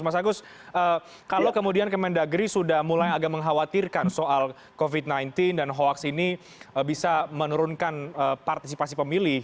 mas agus kalau kemudian kemendagri sudah mulai agak mengkhawatirkan soal covid sembilan belas dan hoax ini bisa menurunkan partisipasi pemilih